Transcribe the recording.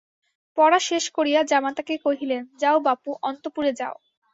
পড়া শেষ করিয়া জামাতাকে কহিলেন, যাও বাপু, অন্তঃপুরে যাও।